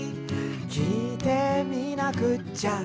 「きいてみなくっちゃ」